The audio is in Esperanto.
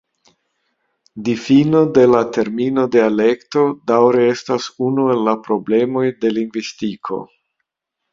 Difino de la termino "dialekto" daŭre estas unu el la problemoj de lingvistiko.